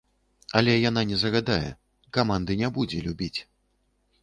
Але яна не загадае, каманды не будзе любіць.